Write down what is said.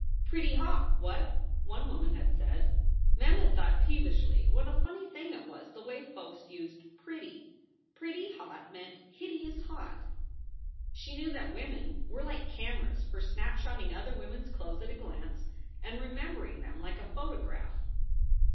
"Pretty hot, what?" one woman had said. Mem had thought peevishly what a funny thing it was the way folks used "pretty" "pretty hot" meant "hideous hot." She knew that women were like cameras for snapshotting other women s clothes at a glance and remembering them like a photograph.